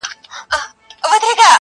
اوس مي تا ته دي راوړي سوغاتونه!!